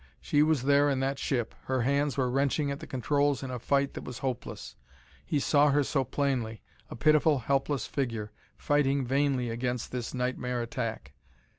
She was there in that ship, her hands were wrenching at the controls in a fight that was hopeless. He saw her so plainly a pitiful, helpless figure, fighting vainly against this nightmare attack.